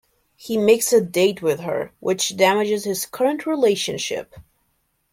He makes a date with her, which damages his current relationship.